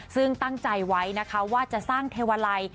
ซึ่งตั้งใจไว้นะคะว่าจะสร้างเทวาลัย